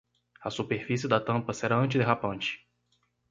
A superfície da tampa será antiderrapante.